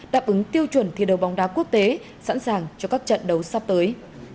đáp ứng tiêu chuẩn thi đấu bóng đá quốc tế sẵn sàng cho các trận đấu sắp tới